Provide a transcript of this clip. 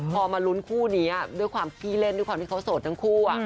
พอมาลุ้นคู่นี้ด้วยความขี้เล่นด้วยความที่เขาโสดทั้งคู่